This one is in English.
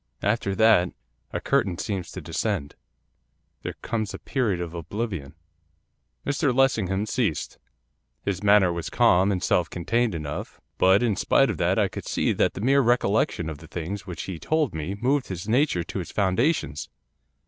After that, a curtain seems to descend. There comes a period of oblivion.' Mr Lessingham ceased. His manner was calm and self contained enough; but, in spite of that I could see that the mere recollection of the things which he told me moved his nature to its foundations.